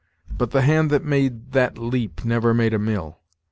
But the hand that made that 'Leap' never made a mill.